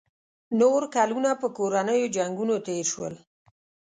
نور کلونه په کورنیو جنګونو تېر شول.